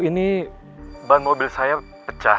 ini ban mobil saya pecah